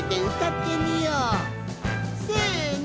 せの。